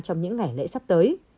trong những ngày lễ sắp tới